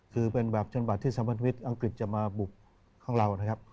คือเป็นแบบจังหวัดที่สัมพันธวิทย์อังกฤษจะมาบุกของเรานะครับ